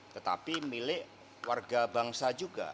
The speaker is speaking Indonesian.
tetapi milik warga bangsa juga